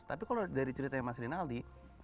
tapi kalau dari ceritanya mas rinaldi